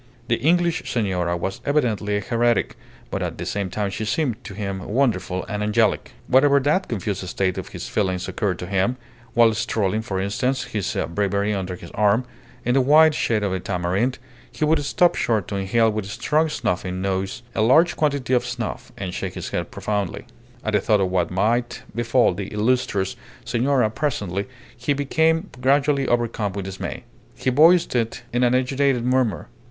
The English senora was evidently a heretic; but at the same time she seemed to him wonderful and angelic. Whenever that confused state of his feelings occurred to him, while strolling, for instance, his breviary under his arm, in the wide shade of the tamarind, he would stop short to inhale with a strong snuffling noise a large quantity of snuff, and shake his head profoundly. At the thought of what might befall the illustrious senora presently, he became gradually overcome with dismay. He voiced it in an agitated murmur.